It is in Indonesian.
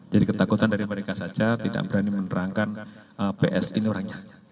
jadi ketakutan dari mereka saja tidak berani menerangkan ps ini orangnya